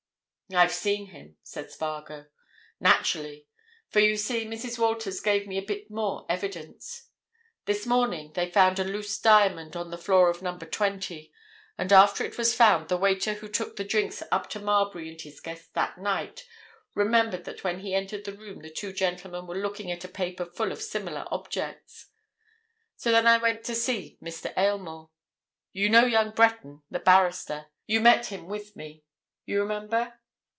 "I've seen him," said Spargo. "Naturally! For you see, Mrs. Walters gave me a bit more evidence. This morning they found a loose diamond on the floor of Number 20, and after it was found the waiter who took the drinks up to Marbury and his guest that night remembered that when he entered the room the two gentlemen were looking at a paper full of similar objects. So then I went on to see Mr. Aylmore. You know young Breton, the barrister?—you met him with me, you remember?"